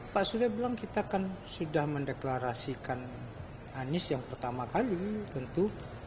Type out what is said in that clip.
pak surya bilang kita kan sudah mendeklarasikan anies yang pertama kali tentu